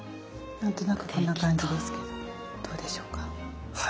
何となくこんな感じですけどどうでしょうか。